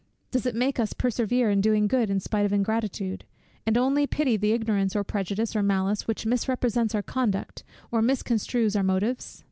Does it make us persevere in doing good in spite of ingratitude; and only pity the ignorance, or prejudice, or malice, which misrepresents our conduct, or misconstrues our motives?